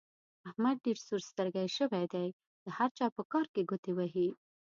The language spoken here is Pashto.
احمد ډېر سور سترګی شوی دی؛ د هر چا په کار کې ګوتې وهي.